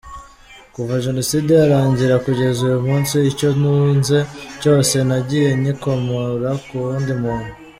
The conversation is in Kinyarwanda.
Kuva Jenoside yarangira kugeza uyu munsi, icyo ntunze cyose nagiye ngikomora ku wundi muntu.